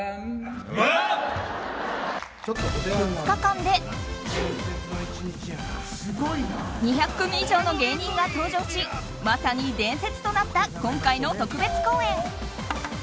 ２日間で２００組以上の芸人が登場しまさに伝説となった今回の特別公演。